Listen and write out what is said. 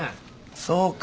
そうか。